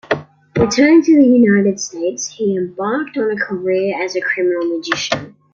Returning to the United States, he embarked on a career as a criminal magician.